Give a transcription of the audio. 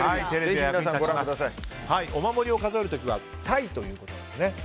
お守りを数える時は体ということなんですね。